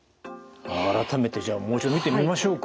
改めてじゃあもう一度見てみましょうか。